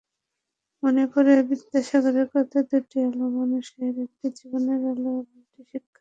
মনে পড়ে বিদ্যাসাগরের কথা—দুটি আলো মানুষের, একটি জীবনের আলো, অন্যটি শিক্ষার আলো।